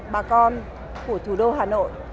bà con của thủ đô hà nội